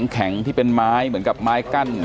แข็งที่เป็นไม้เหมือนกับไม้กั้น